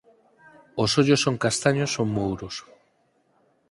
Os ollos son castaños ou mouros.